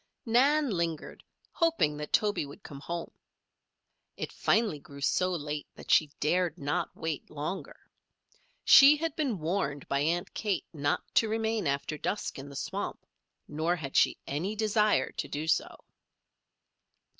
Nan lingered, hoping that Toby would come home. It finally grew so late that she dared not wait longer. She had been warned by Aunt Kate not to remain after dusk in the swamp, nor had she any desire to do so.